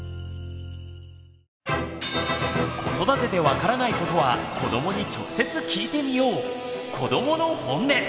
子育てで分からないことは子どもに直接聞いてみよう！